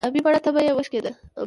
ـ ابۍ مړه تبه يې وشکېده.